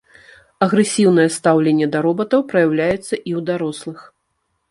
Агрэсіўнае стаўленне да робатаў праяўляецца і ў дарослых.